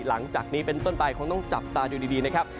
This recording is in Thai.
หลังจากนี้เป็นต้นไปคงต้องจับตาดูดีนะครับ